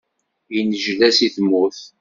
Yennejla seg tmurt.